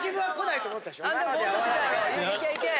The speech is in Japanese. いけいけ！